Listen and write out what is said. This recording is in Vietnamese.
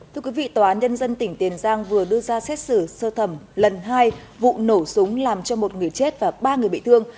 thưa quý vị tòa án nhân dân tỉnh tiền giang vừa đưa ra xét xử sơ thẩm lần hai vụ nổ súng làm cho một người chết và ba người bị thương